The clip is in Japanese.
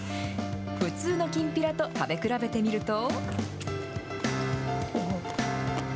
普通のきんぴらと食べ比べてみると。